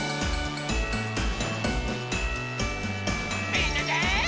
みんなで。